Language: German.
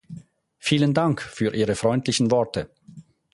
Vielen Dank für Ihre freundlichen Worte.